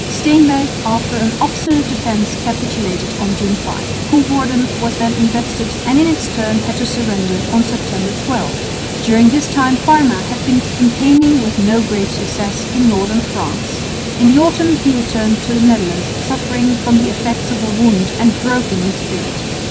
Steenwijk after an obstinate defence capitulated on June 5. Coevorden was then invested and in its turn had to surrender, on September 12. During this time Parma had been campaigning with no great success in northern France. In the autumn he returned to the Netherlands suffering from the effects of a wound and broken in spirit.